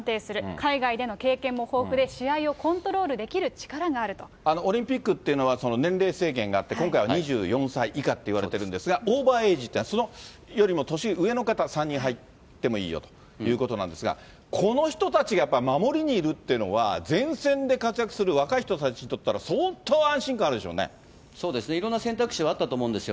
海外での経験も豊富で、試合をコオリンピックっていうのは、年齢制限があって、今回は２４歳以下って言われてるんですが、オーバーエージというのは、それよりも年上の方、３人入ってもいいよということなんですが、この人たちがやっぱり守りにいるっていうのは、前線で活躍する若い人たちにとったら、相当、安心感あるでしょうそうですね、いろんな選択肢はあったと思うんですよ。